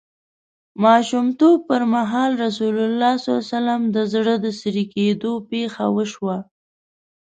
ماشومتوب پر مهال رسول الله ﷺ د زړه د څیری کیدو پېښه وشوه.